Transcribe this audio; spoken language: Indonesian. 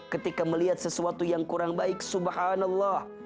ketika melihat sesuatu yang kurang baik subhanallah